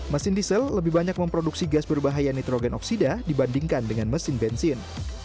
mesin diesel lebih banyak memproduksi gas berbahaya nitrogen oksida dibandingkan dengan mesin bensin